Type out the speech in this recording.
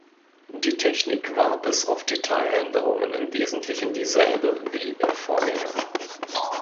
Die Technik war bis auf Detailänderungen im Wesentlichen dieselbe wie im Vorgänger.